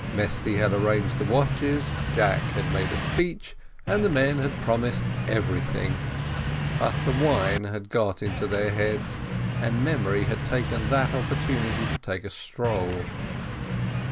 Mesty had arranged the watches, Jack had made a speech, and the men had promised everything, but the wine had got into their heads, and memory had taken that opportunity to take a stroll.